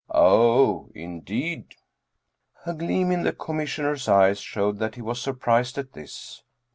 " Oh, indeed !" A gleam in the Commissioner's eyes showed that he was surprised at this.